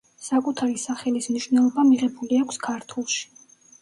საკუთარი სახელის მნიშვნელობა მიღებული აქვს ქართულში.